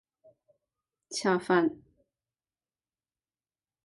恰饭